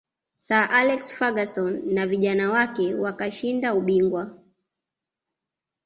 sir alex ferguson na vijana wake wakashinda ubingwa